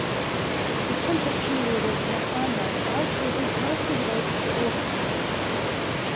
The central period of Mokranjac's output is mostly devoted to orchestral works.